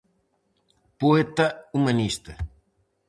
Poeta humanista.